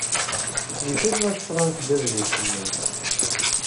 Yif-it ma tesɣamt-d adlis-nni.